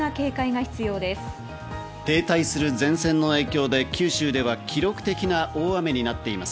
停滞する前線の影響で九州では記録的な大雨になっています。